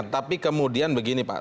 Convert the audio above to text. nah kemudian begini pak